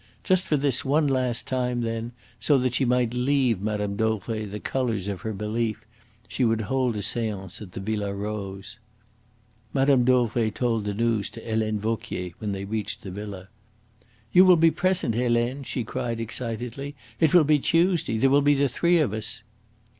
Just for this one last time, then, so that she might leave Mme. Dauvray the colours of her belief, she would hold a seance at the Villa Rose. Mme. Dauvray told the news to Helene Vauquier when they reached the villa. "You will be present, Helene," she cried excitedly. "It will be Tuesday. There will be the three of us."